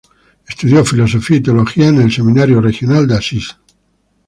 Estudió Filosofía y Teología en el Seminario Regional de Asís.